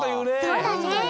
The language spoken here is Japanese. そうだね。